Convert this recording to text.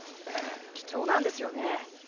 ああ貴重なんですよね？